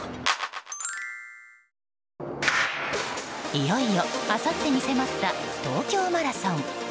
いよいよ、あさってに迫った東京マラソン。